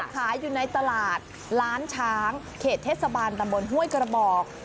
ขายอยู่ในตลาดล้านช้างเขตเทศบาลตำบลห้วยกระบอก